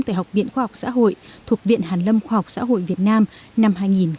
tại học viện khoa học xã hội thuộc viện hàn lâm khoa học xã hội việt nam năm hai nghìn một mươi